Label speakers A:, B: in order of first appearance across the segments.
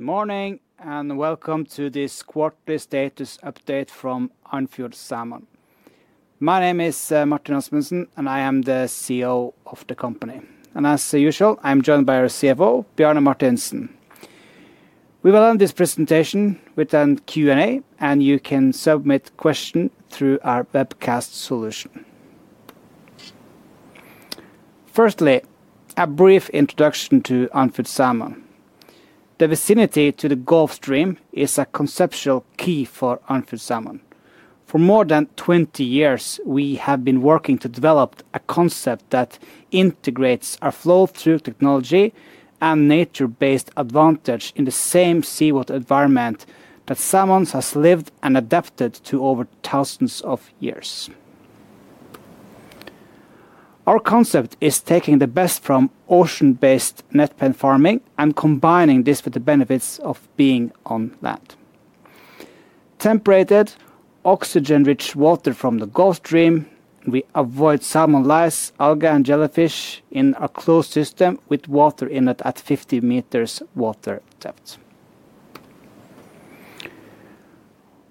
A: Good morning, welcome to this quarterly status update from Andfjord Salmon. My name is Martin Rasmussen, and I am the CEO of the company. As usual, I'm joined by our CFO, Bjarne Martinsen. We will end this presentation with a Q&A, and you can submit questions through our webcast solution. First, a brief introduction to Andfjord Salmon. The vicinity to the Gulf Stream is a conceptual key for Andfjord Salmon. For more than 20 years, we have been working to develop a concept that integrates our flow-through technology and nature-based advantage in the same seaward environment that salmon have lived and adapted to over thousands of years. Our concept is taking the best from ocean-based net-pen farming and combining this with the benefits of being on land. Temperated, oxygen-rich water from the Gulf Stream, we avoid salmon lice, algae, and jellyfish in a closed system with water in it at 50 m water depth.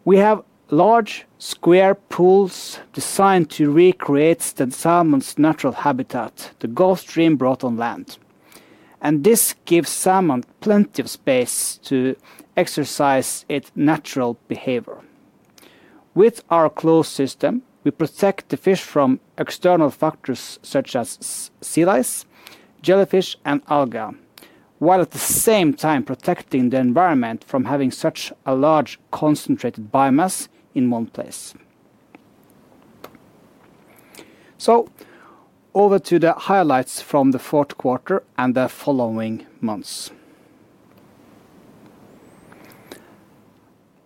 A: We have large square pools designed to recreate the salmon's natural habitat, the Gulf Stream, brought on land. This gives salmon plenty of space to exercise their natural behavior. With our closed system, we protect the fish from external factors such as sea lice, jellyfish, and algae, while at the same time protecting the environment from having such a large concentrated biomass in one place. Over to the highlights from the fourth quarter and the following months.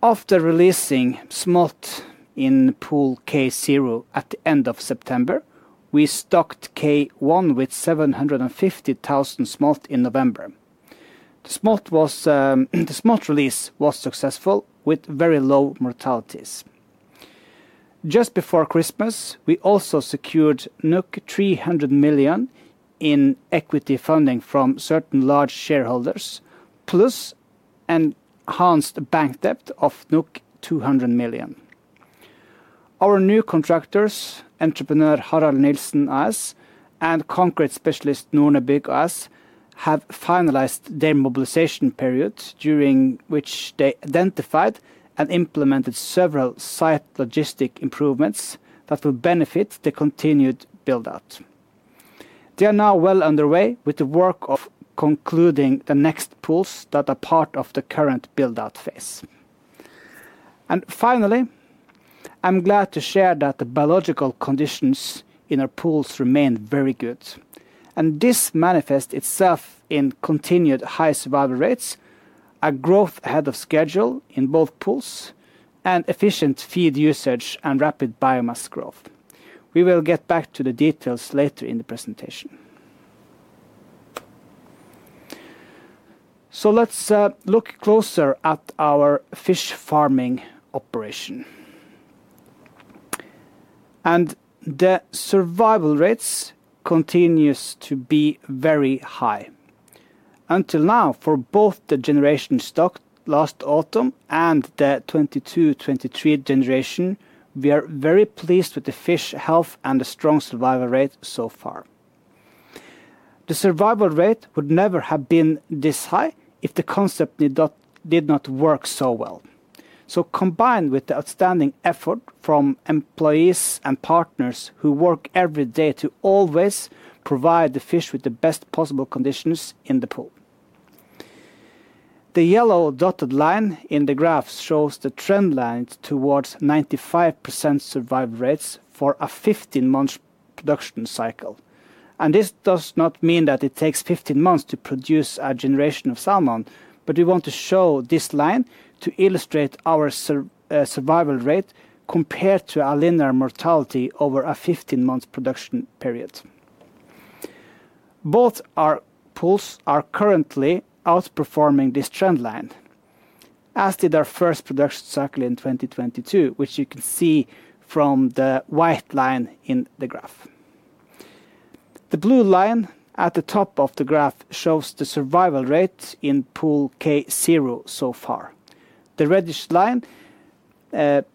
A: After releasing smolt in pool K0 at the end of September, we stocked K1 with 750,000 smolt in November. The smolt release was successful, with very low mortalities. Just before Christmas, we also secured 300 million in equity funding from certain large shareholders, plus enhanced bank debt of 200 million. Our new contractors, Entreprenør Harald Nilsen AS and concrete specialist Nornebygg AS have finalized their mobilization period, during which they identified and implemented several site logistics improvements that will benefit the continued build-out. They are now well underway with the work of concluding the next pools that are part of the current build-out phase. Finally, I'm glad to share that the biological conditions in our pools remain very good, and this manifests itself in continued high survival rates, growth ahead of schedule in both pools, and efficient feed usage and rapid biomass growth. We will get back to the details later in the presentation. Let's look closer at our fish farming operation. The survival rate continues to be very high. Until now, for both the generation stocked last autumn and the 2022/2023 generation, we are very pleased with the fish health and the strong survival rate so far. The survival rate would never have been this high if the concept did not work so well. Combined with the outstanding effort from employees and partners who work every day to always provide the fish with the best possible conditions in the pools. The yellow dotted line in the graph shows the trend line towards 95% survival rate for a 15-month production cycle. This does not mean that it takes 15 months to produce a generation of salmon, but we want to show this line to illustrate our survival rate compared to a linear mortality over a 15-month production period. Both our pools are currently outperforming this trend line, as did our first production cycle in 2022, which you can see from the white line in the graph. The blue line at the top of the graph shows the survival rate in pool K0 so far. The reddish line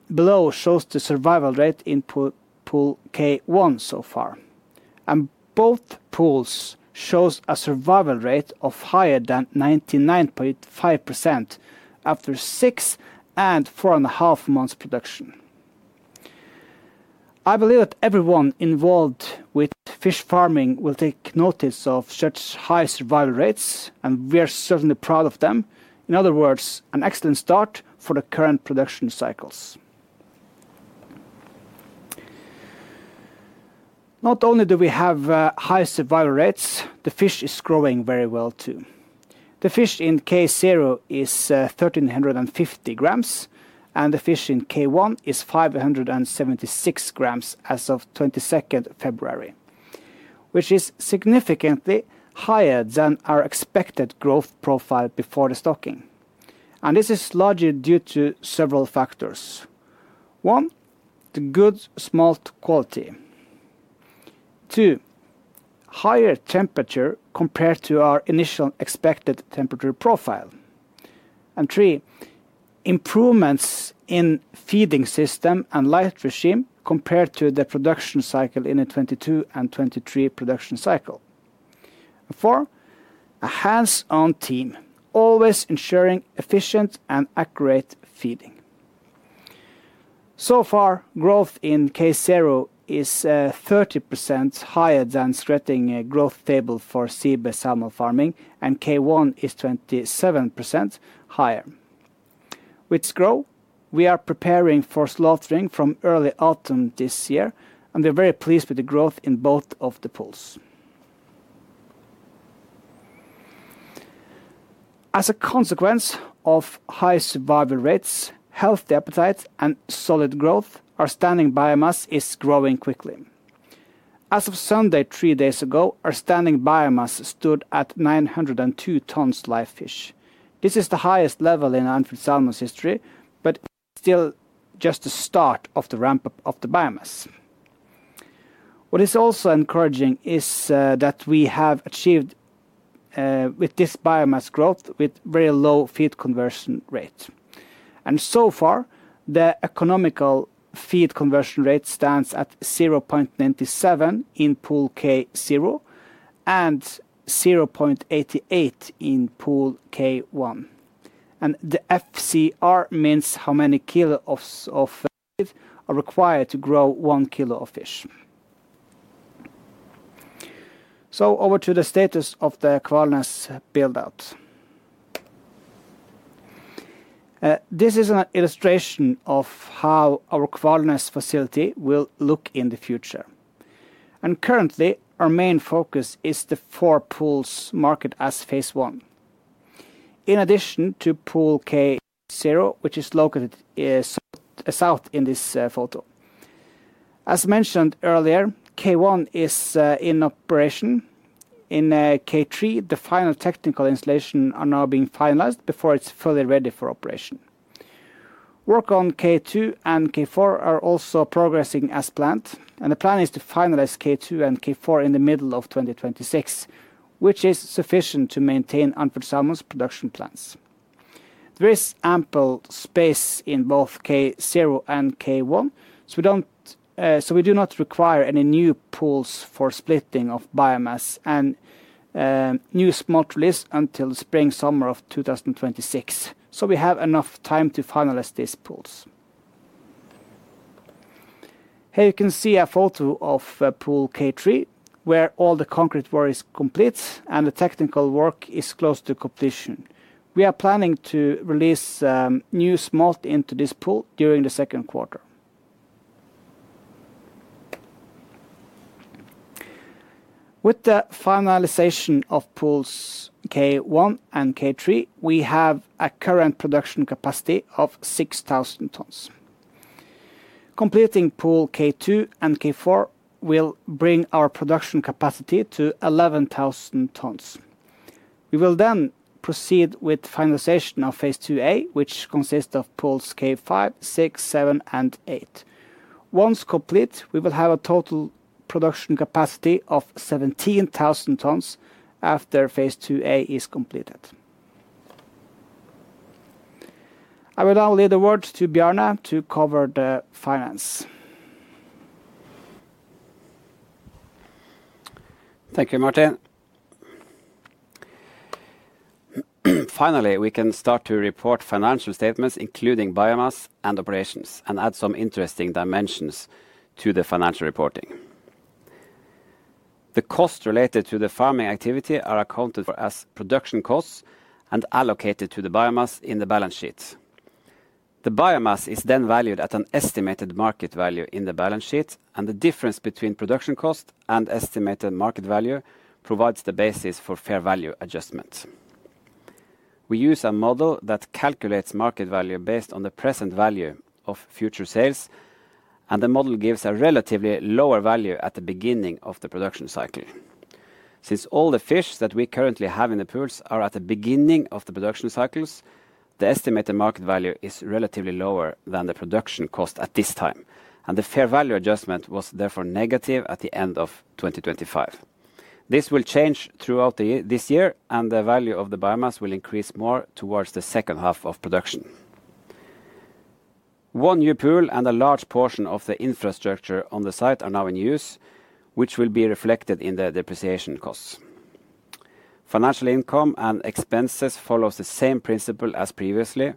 A: below shows the survival rate in pool K1 so far. Both pools show a survival rate of higher than 99.5% after 6 and 4.5 months of production. I believe that everyone involved with fish farming will take notice of such high survival rate, and we are certainly proud of them. In other words, an excellent start for the current production cycles. Not only do we have high survival rate, the fish is growing very well, too. The fish in K0 is 1,350 grams, and the fish in K1 is 576 grams as of 22nd February, which is significantly higher than our expected growth profile before the stocking. This is largely due to several factors. One, the good smolt quality. Two, higher temperature compared to our initial expected temperature profile. Three, improvements in feeding system and light regime compared to the production cycle in the 2022 and 2023 production cycles. Four, a hands-on team, always ensuring efficient and accurate feeding. So far, growth in K0 is 30% higher than Skretting growth table for sea-based salmon farming. K1 is 27% higher. With growth, we are preparing for slaughter from early autumn this year. We're very pleased with the growth in both of the pools. As a consequence of high survival rate, healthy appetite, and solid growth, our standing biomass is growing quickly. As of Sunday, three days ago, our standing biomass stood at 902 tons of live fish. This is the highest level in Andfjord Salmon's history, but still just the start of the ramp-up of the biomass. What is also encouraging is that we have achieved with this biomass growth, with very low feed conversion rate. So far, the economic feed conversion rate stands at 0.97 in pool K0, and 0.88 in pool K1. The FCR means how many kilogram of feed are required to grow 1 kg of fish. Over to the status of the Kvalnes build out. This is an illustration of how our Kvalnes facility will look in the future. Currently, our main focus is the four pools marked as Phase 1. In addition to pool K0, which is located south in this photo. As mentioned earlier, K1 is in operation. In K3, the final technical installation are now being finalized before it's fully ready for operation. Work on K2 and K4 are also progressing as planned. The plan is to finalize K2 and K4 in the middle of 2026, which is sufficient to maintain Andfjord Salmon's production plans. There is ample space in both K0 and K1. We do not require any new pools for splitting of biomass and new smolt release until spring/summer of 2026. We have enough time to finalize these pools. Here you can see a photo of pool K3, where all the concrete work is complete and the technical work is close to completion. We are planning to release new smolt into this pool during the second quarter. With the finalization of pools K1 and K3, we have a current production capacity of 6,000 tons. Completing pool K2 and K4 will bring our production capacity to 11,000 tons. We will proceed with finalization of phase 2A, which consists of pools K5, K6, K7, and K8. Once complete, we will have a total production capacity of 17,000 tons after phase 2A is completed. I will now leave the floor to Bjarne to cover the finance.
B: Thank you, Martin. Finally, we can start to report financial statements, including biomass and operations, and add some interesting dimensions to the financial reporting. The costs related to the farming activity are accounted for as production costs and allocated to the biomass in the balance sheet. The biomass is then valued at an estimated market value in the balance sheet, and the difference between production cost and estimated market value provides the basis for fair value adjustment. We use a model that calculates market value based on the present value of future sales, and the model gives a relatively lower value at the beginning of the production cycle. All the fish that we currently have in the pools are at the beginning of the production cycles, the estimated market value is relatively lower than the production cost at this time, and the fair value adjustment was therefore negative at the end of 2025. This will change throughout the year, this year, the value of the biomass will increase more towards the second half of production. One new pool and a large portion of the infrastructure on the site are now in use, which will be reflected in the depreciation costs. Financial income and expenses follow the same principle as previously,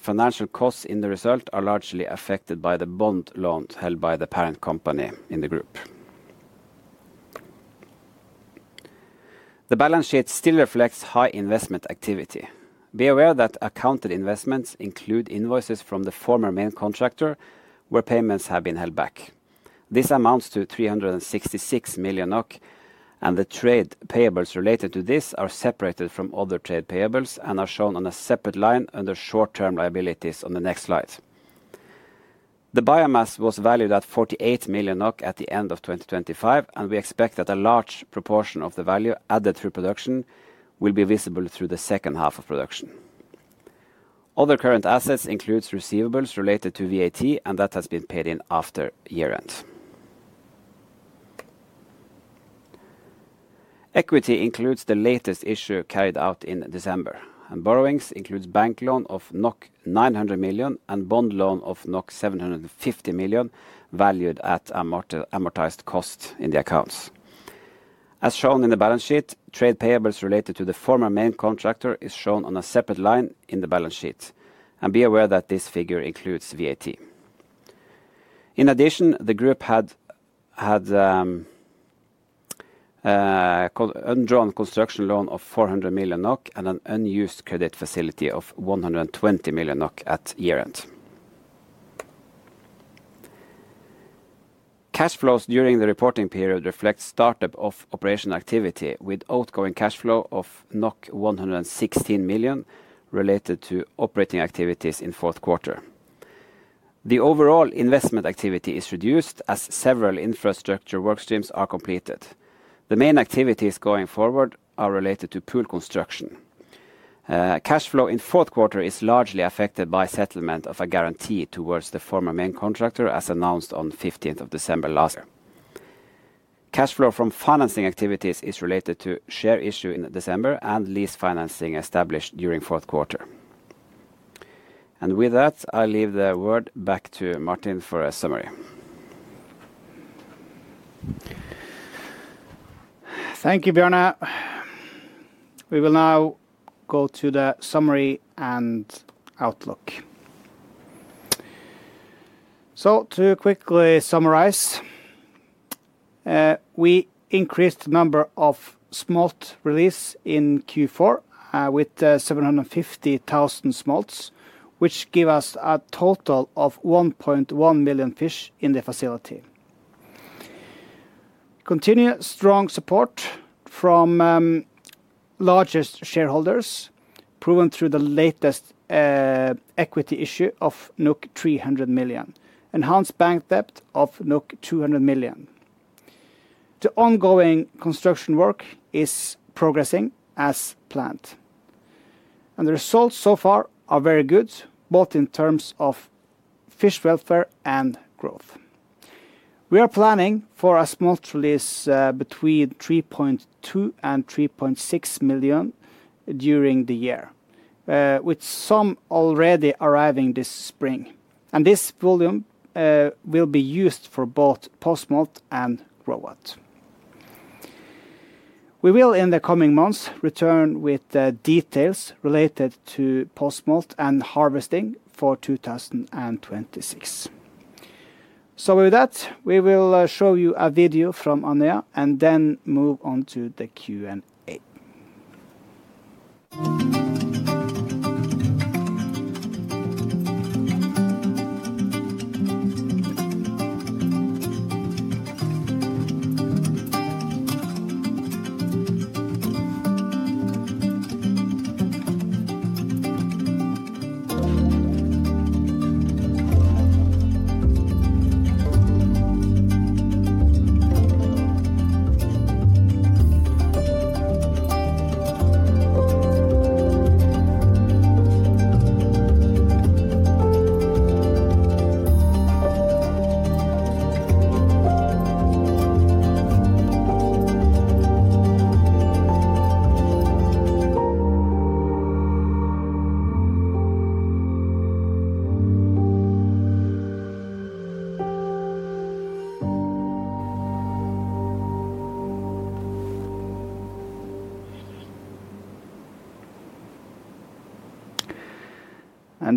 B: financial costs in the result are largely affected by the bond loans held by the parent company in the group. The balance sheet still reflects high investment activity. Be aware that accounted investments include invoices from the former main contractor, where payments have been held back. This amounts to 366 million NOK. The trade payables related to this are separated from other trade payables and are shown on a separate line under short-term liabilities on the next slide. The biomass was valued at 48 million NOK at the end of 2025. We expect that a large proportion of the value added through production will be visible through the second half of production. Other current assets include receivables related to VAT. That has been paid in after year-end. Equity includes the latest issue carried out in December. Borrowings include bank loan of 900 million and bond loan of 750 million, valued at amortized cost in the accounts. As shown in the balance sheet, trade payables related to the former main contractor is shown on a separate line in the balance sheet. Be aware that this figure includes VAT. In addition, the group had undrawn construction loan of 400 million NOK and an unused credit facility of 120 million NOK at year-end. Cash flows during the reporting period reflect startup of operation activity, with outgoing cash flow of 116 million related to operating activities in fourth quarter. The overall investment activity is reduced as several infrastructure work streams are completed. The main activities going forward are related to pool construction. Cash flow in fourth quarter is largely affected by settlement of a guarantee towards the former main contractor, as announced on 15th December last year. Cash flow from financing activities is related to share issue in December and lease financing established during fourth quarter. With that, I leave the word back to Martin for a summary.
A: Thank you, Bjarne. We will now go to the summary and outlook. To quickly summarize, we increased the number of smolt releases in Q4, with 750,000 smolt, which gives us a total of 1.1 million fish in the facility. Continued strong support from largest shareholders, proven through the latest equity issue of 300 million. Enhanced bank debt of 200 million. The ongoing construction work is progressing as planned, and the results so far are very good, both in terms of fish welfare and growth. We are planning for a smolt releases, between 3.2 million and 3.6 million during the year, with some already arriving this spring. This volume will be used for both post-smolt and grow-out. We will, in the coming months, return with the details related to post-smolt and harvesting for 2026. With that, we will show you a video from Andøya and then move on to the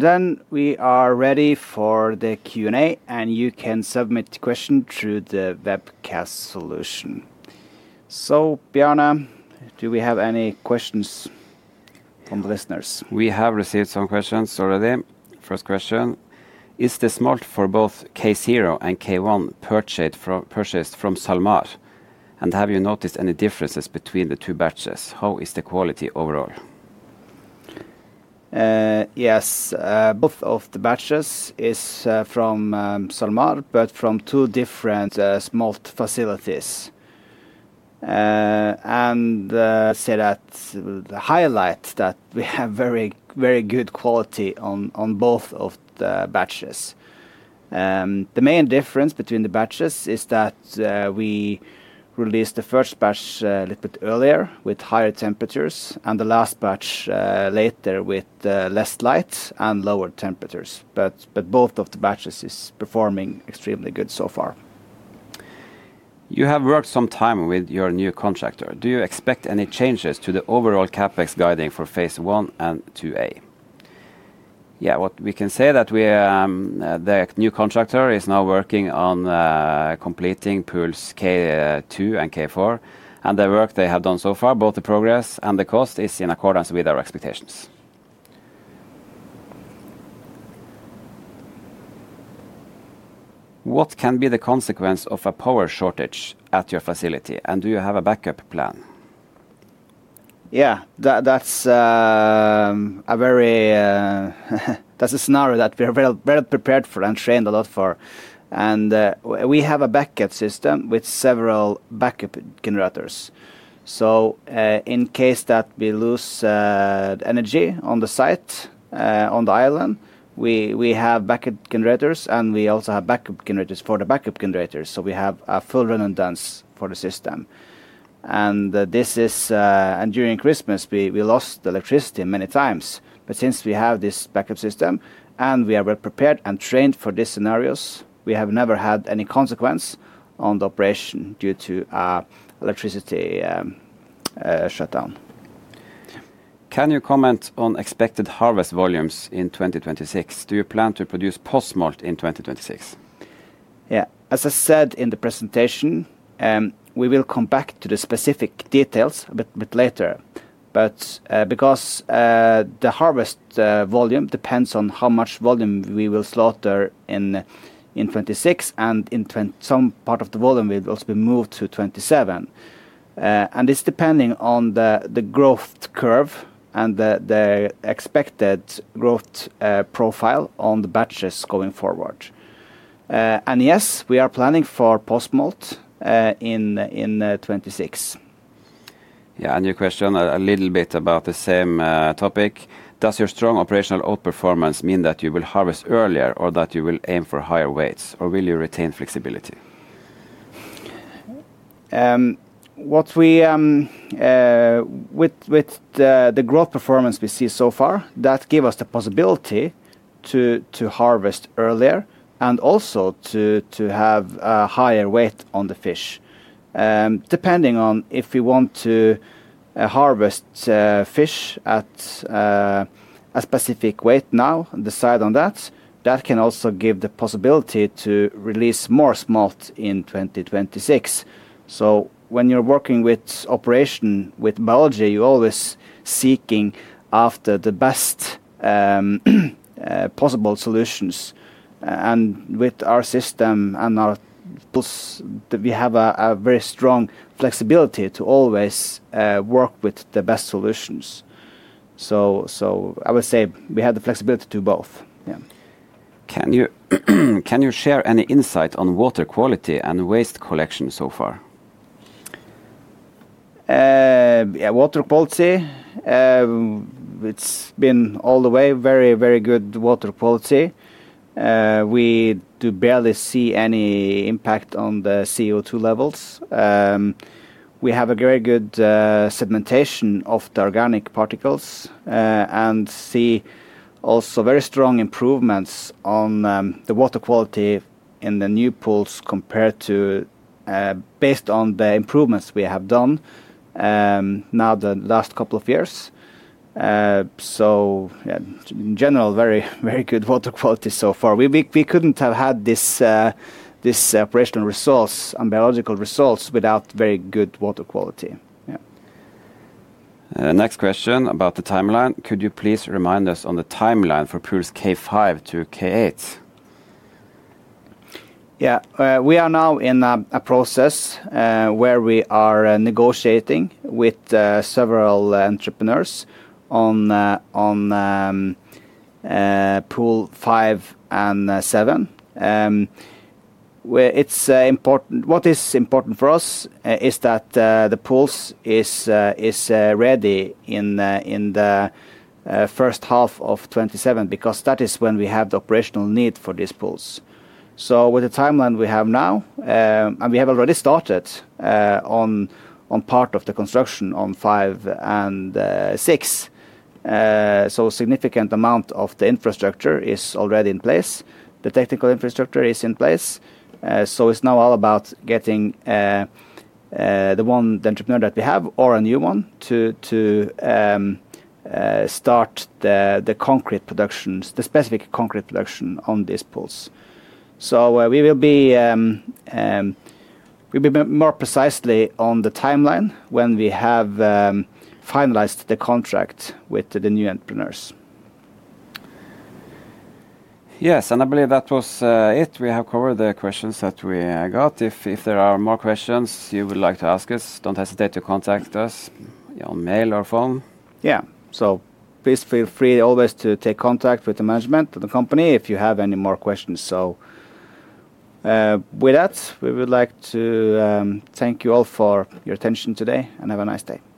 A: Q&A. Then we are ready for the Q&A, and you can submit your question through the webcast solution. Bjarne, do we have any questions from the listeners?
B: We have received some questions already. First question: Is the smolt for both K0 and K1 purchased from SalMar? Have you noticed any differences between the two batches? How is the quality overall?
A: Yes. Both of the batches is from SalMar, but from two different smolt facilities. Say that the highlight that we have very, very good quality on both of the batches. The main difference between the batches is that we released the first batch a little bit earlier with higher temperatures, and the last batch later with less light and lower temperatures. Both of the batches is performing extremely good so far.
B: You have worked some time with your new contractor. Do you expect any changes to the overall CapEx guiding for phase 1 and phase 2A? Yeah, what we can say that we, the new contractor is now working on completing pools K2 and K4, and the work they have done so far, both the progress and the cost, is in accordance with our expectations. What can be the consequence of a power shortage at your facility, and do you have a backup plan?
A: Yeah, that's a scenario that we are very prepared for and trained a lot for. We have a backup system with several backup generators. In case that we lose energy on the site on the island, we have backup generators, and we also have backup generators for the backup generators, so we have a full redundancy for the system. During Christmas, we lost electricity many times, but since we have this backup system and we are well-prepared and trained for these scenarios, we have never had any consequence on the operation due to electricity shutdown.
B: Can you comment on expected harvest volumes in 2026? Do you plan to produce post-smolt in 2026?
A: Yeah. As I said in the presentation, we will come back to the specific details a bit later. Because the harvest volume depends on how much volume we will slaughter in 2026, and some part of the volume will also be moved to 2027. And it's depending on the growth curve and the expected growth profile on the batches going forward. And yes, we are planning for post-smolt in 2026.
B: A new question, a little bit about the same topic: "Does your strong operational out-performance mean that you will harvest earlier or that you will aim for higher weights, or will you retain flexibility?
A: What we, with the growth performance we see so far, that give us the possibility to harvest earlier and also to have a higher weight on the fish. Depending on if we want to harvest fish at a specific weight now and decide on that can also give the possibility to release more smolt in 2026. When you're working with operation, with biology, you're always seeking after the best possible solutions. With our system and our pools, we have a very strong flexibility to always work with the best solutions. I would say we have the flexibility to do both. Yeah.
B: Can you share any insight on water quality and waste collection so far?
A: Yeah, water quality, it's been all the way very, very good water quality. We do barely see any impact on the CO2 levels. We have a very good sedimentation of the organic particles, and see also very strong improvements on the water quality in the new pools compared to based on the improvements we have done now the last couple of years. So yeah, in general, very, very good water quality so far. We couldn't have had this operational results and biological results without very good water quality. Yeah.
B: Next question about the timeline: "Could you please remind us on the timeline for pools K5 to K8?
A: Yeah. We are now in a process where we are negotiating with several entrepreneurs on pool 5 and 7. What is important for us is that the pools is ready in the first half of 2027, because that is when we have the operational need for these pools. With the timeline we have now, and we have already started on part of the construction on 5 and 6, so a significant amount of the infrastructure is already in place. The technical infrastructure is in place, so it's now all about getting the one entrepreneur that we have or a new one to start the concrete productions, the specific concrete production on these pools. We'll be more precisely on the timeline when we have finalized the contract with the new entrepreneurs.
B: Yes, I believe that was it. We have covered the questions that we got. If there are more questions you would like to ask us, don't hesitate to contact us on mail or phone.
A: Yeah. Please feel free always to take contact with the management of the company if you have any more questions. With that, we would like to thank you all for your attention today, and have a nice day.